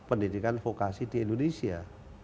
pendidikan vokasi di indonesia